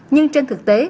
nhưng trên thực tế